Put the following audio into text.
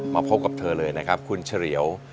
พบกับเธอเลยนะครับคุณเฉลียว